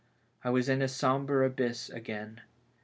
I was in a sombre abyss again.